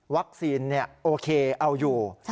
วัคซีนเนี่ยโอเคเอาอยู่